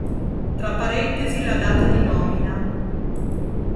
Tra parentesi la data di nomina.